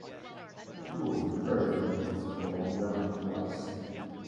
He was the President of Colombia twice.